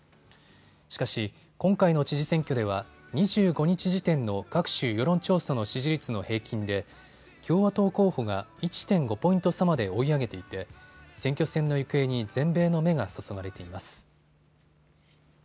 しかし今回の知事選挙では２５日時点の各種世論調査の支持率の平均で共和党候補が１．５ポイント差まで追い上げていて選挙戦の行方に全米の目が注がれています。